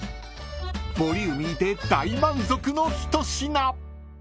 ［ボリューミーで大満足の一品］